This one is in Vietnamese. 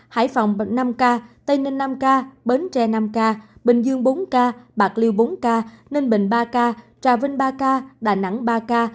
hải phòng bằng năm ca tây ninh năm ca bến tre năm ca bình dương bốn ca bạc liêu bốn ca ninh bình ba ca trà vinh ba ca đà nẵng ba ca